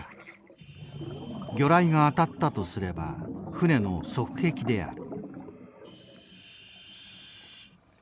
魚雷が当たったとすれば船の側壁である。